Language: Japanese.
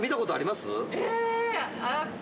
え！